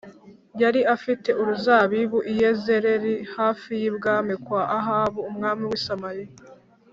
yari afite uruzabibu i Yezerēli hafi y’ibwami kwa Ahabu umwami w’i Samariya